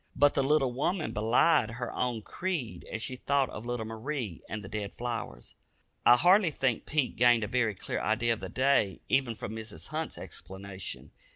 But the little woman belied her own creed as she thought of little Marie and the dead flowers. I hardly think Pete gained a very clear idea of the day, even from Mrs. Hunt's explanation.